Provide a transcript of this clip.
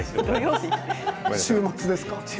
週末ですか？